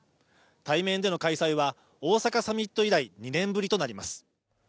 対面での開催は大阪サミット以来、２年ぶりとなります。